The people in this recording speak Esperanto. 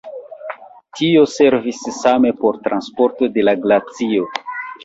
Tio servis same por transporto de la glacio.